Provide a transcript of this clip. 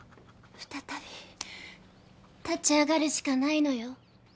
再び立ち上がるしかないのよ。